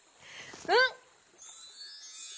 うん！